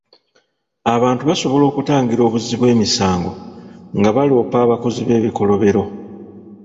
Abantu basobola okutangira obuzzi bw'emisango nga baloopa abakozi b'ebikolobero.